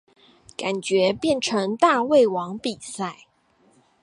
感覺變成大胃王比賽